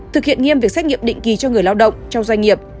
thực hiện nghiêm việc xét nghiệm định kỳ cho người lao động trong doanh nghiệp